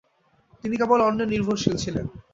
তিনি কেবল অন্যের নির্ভরশীল ছিলেন।